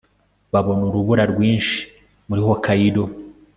Babona urubura rwinshi muri Hokkaido